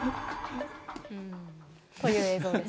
という映像です。